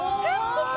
ここ！？